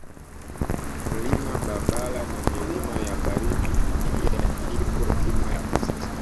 Mlima Babala na Milima ya Baridi pia ipo Milima ya Bast